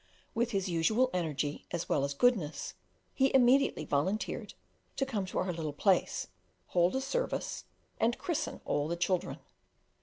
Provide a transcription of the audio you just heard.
With his usual energy, as well as goodness, he immediately volunteered to come up to our little place, hold a service, and christen all the children.